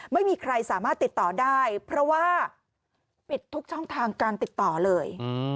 ไม่มีใครสามารถติดต่อได้เพราะว่าปิดทุกช่องทางการติดต่อเลย